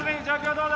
どうだ？